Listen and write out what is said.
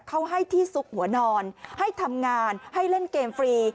เขาให้ที่ซุกหัวนอนให้ทำงานให้เล่นเกมฟรี